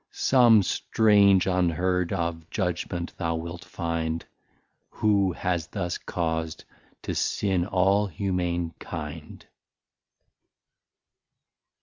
Some strange unheard of Judgement thou wilt find, Who thus hast caus'd to Sin all Humane Kind.